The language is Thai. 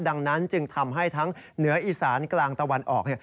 ดังนั้นจึงทำให้ทั้งเหนืออีสานกลางตะวันออก